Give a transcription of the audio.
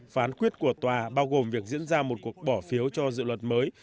phán quyết của tòa bao gồm việc diễn ra một cuộc bỏ phiếu cho dự luật mới